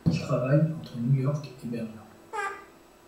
Il travaille entre New York et Berlin.